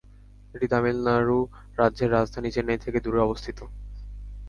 এটি তামিলনাড়ু রাজ্যের রাজধানী চেন্নাই থেকে দুরে অবস্থিত।